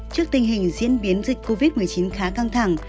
trước tình hình diễn biến dịch covid một mươi chín khá căng thẳng